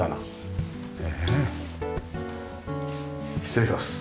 失礼します。